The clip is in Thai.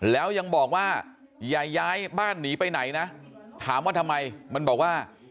แล้วยังบอกว่าอย่าย้ายบ้านหนีไปไหนนะถามว่าทำไมมันบอกว่า